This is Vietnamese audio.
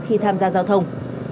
khi tham gia giao thông